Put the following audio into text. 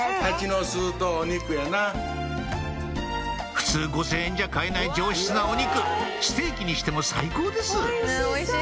普通５０００円じゃ買えない上質なお肉ステーキにしても最高です